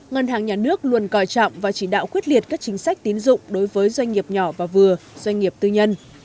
ngân hàng nhà nước luôn coi trọng và chỉ đạo quyết liệt các chính sách tín dụng đối với doanh nghiệp nhỏ và vừa doanh nghiệp tư nhân